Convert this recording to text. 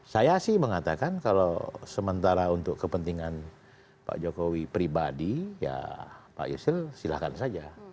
saya sih mengatakan kalau sementara untuk kepentingan pak jokowi pribadi ya pak yusril silahkan saja